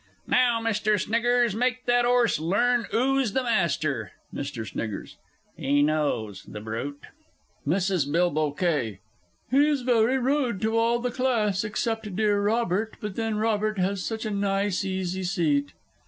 Now, Mr. Sniggers, make that 'orse learn 'oo's the master! [Mr. S. "He knows, the brute!"] MRS. B. K. He's very rude to all the Class, except dear Robert but then Robert has such a nice easy seat.